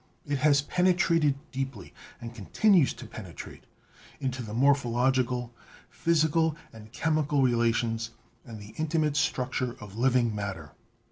It has penetrated deeply, and con tinues to penetrate, into the morphological, physical and chemical relations, and the intimate structure of living matter."